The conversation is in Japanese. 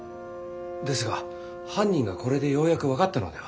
ですが犯人がこれでようやく分かったのでは。